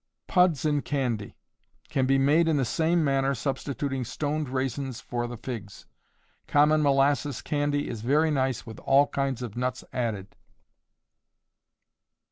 Puds in Candy. Can be made in the same manner, substituting stoned raisins for the figs. Common molasses candy is very nice with all kinds of nuts added.